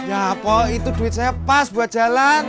ya itu duit saya pas buat jalan